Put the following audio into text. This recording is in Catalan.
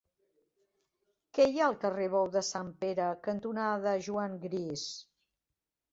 Què hi ha al carrer Bou de Sant Pere cantonada Juan Gris?